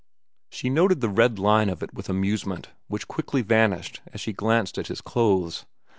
She noted the red line of it with amusement which quickly vanished as she glanced at his clothes.